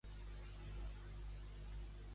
És fronterer amb Sòria?